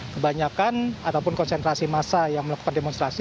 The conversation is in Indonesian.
kebanyakan ataupun konsentrasi massa yang melakukan demonstrasi